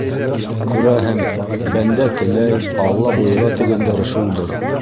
Күрәһең, бәндә теләй - алла бойора, тигәндәре шулдыр...